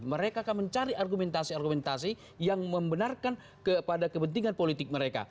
mereka akan mencari argumentasi argumentasi yang membenarkan kepada kepentingan politik mereka